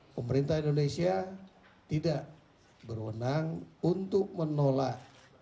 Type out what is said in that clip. pemerintah indonesia tidak berwenang untuk menolak